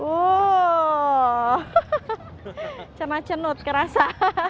wuuu cernut cernut kerasa